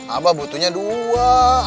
abah butuhnya dua